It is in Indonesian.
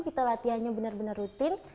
kita latihannya benar benar rutin